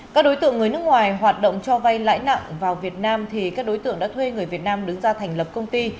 các đối tượng người nước ngoài hoạt động cho vay lãi nặng vào việt nam thì các đối tượng đã thuê người việt nam đứng ra thành lập công ty